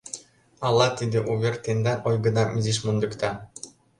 Ала тиде увер тендан ойгыдам изиш мондыкта.